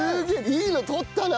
いいの取ったな！